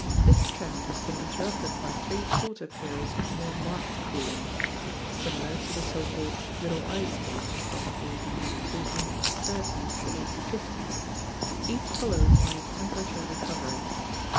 This trend has been interrupted by three shorter periods of more marked cooling, simliar to the so called Little Ice Age of a.d. 1430 1850, each followed by a temperature recovery.